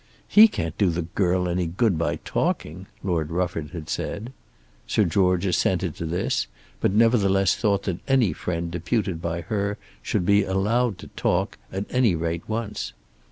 "He can't do the girl any good by talking," Lord Rufford had said. Sir George assented to this, but nevertheless thought that any friend deputed by her should be allowed to talk, at any rate once.